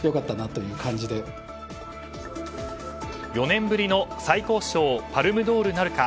４年ぶりの最高賞パルム・ドールなるか。